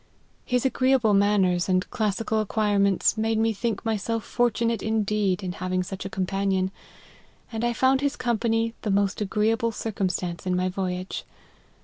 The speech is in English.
His agreeable manners and classical ac quirements, made me think myself fortunate in deed, in having such a companion, and I found his company the most agreeable circumstance in my voyage.